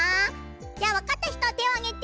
じゃあわかったひとてをあげて！